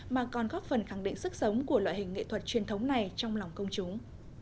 mà còn góp phần khẳng định sức sống của loại hình nghệ thuật truyền thống này trong lòng công chúng